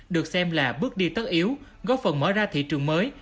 được xem là bước đi tất yếu góp phần mở ra thị trường mới